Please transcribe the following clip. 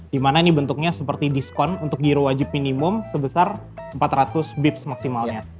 di mana ini bentuknya seperti diskon untuk zero wajib minimum sebesar empat ratus bips maksimalnya